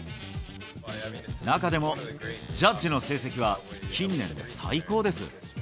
中でもジャッジの成績は近年で最高です。